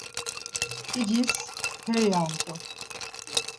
p̌icis peri amt̆u.